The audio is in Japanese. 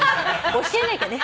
教えなきゃね。